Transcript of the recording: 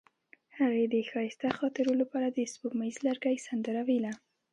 هغې د ښایسته خاطرو لپاره د سپوږمیز لرګی سندره ویله.